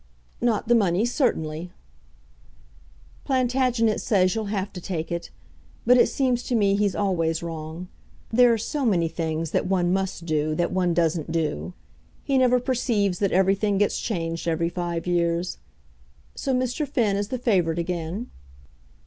"Not the money, certainly." "Plantagenet says you'll have to take it; but it seems to me he's always wrong. There are so many things that one must do that one doesn't do. He never perceives that everything gets changed every five years. So Mr. Finn is the favourite again?"